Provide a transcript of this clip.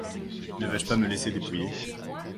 Ne vais-je pas me laisser dépouiller ?